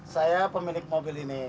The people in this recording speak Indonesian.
saya pemilik mobil ini